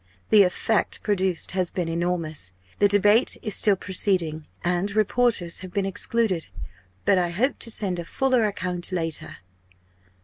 The effect produced has been enormous. The debate is still proceeding, and reporters have been excluded. But I hope to send a fuller account later."